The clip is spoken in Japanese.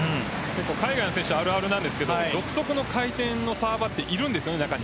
海外の選手あるあるなんですけど独特の回転のサーバーっているんです。